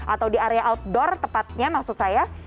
atau di area outdoor tepatnya maksud saya